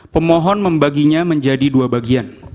pemohon membaginya menjadi dua bagian